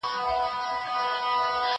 له یوه ورانه تر بل پوري به پلن وو